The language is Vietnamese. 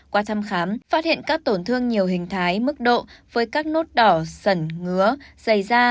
qua thăm khám phát hiện các tổn thương nhiều hình thái mức độ với các nốt đỏ sẩn ngứa dày da